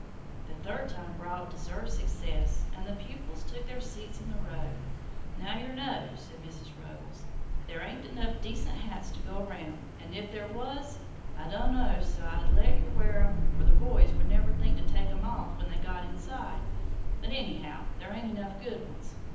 The third time brought deserved success, and the pupils took their seats in the row. "Now, yer know," said Mrs. Ruggles, "there ain't enough decent hats to go round, an' if there was I don' know 's I'd let yer wear 'em, for the boys would never think to take 'em off when they got inside but, anyhow, there ain't enough good ones.